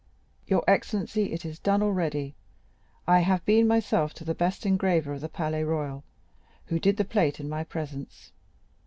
"Your excellency, it is done already. I have been myself to the best engraver of the Palais Royal, who did the plate in my presence.